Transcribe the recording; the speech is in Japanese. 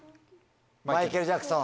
マイケル・ジャクソン。